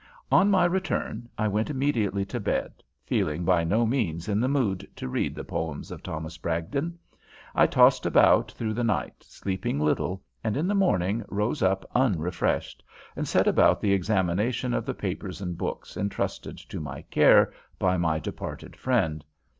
On my return I went immediately to bed, feeling by no means in the mood to read The Poems of Thomas Bragdon. I tossed about through the night, sleeping little, and in the morning rose up unrefreshed, and set about the examination of the papers and books intrusted to my care by my departed friend.